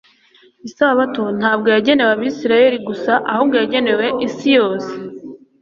Isabato ntabwo yagenewe ab’Israeli gusa, ahubwo yagenewe isi yose.